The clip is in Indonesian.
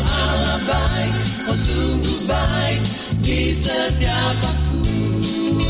ala baik oh sungguh baik di setiap waktu